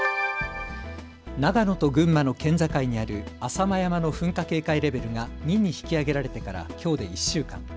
長野と群馬の県境にある浅間山の噴火警戒レベルが２に引き上げられてからきょうで１週間。